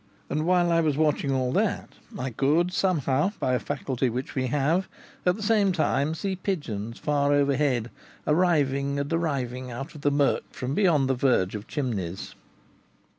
And while I was watching all that I could somehow, by a faculty which we have, at the same time see pigeons far overhead, arriving and arriving out of the murk from beyond the verge of chimneys.